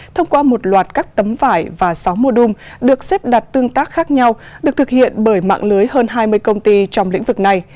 thông qua một loạt các tấm vải và sáu mô đung được xếp đặt tương tác khác nhau được thực hiện bởi mạng lưới hơn hai mươi công ty trong lĩnh vực này